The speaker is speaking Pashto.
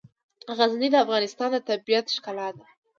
غزني د افغانستان د طبیعت د ښکلا برخه ده.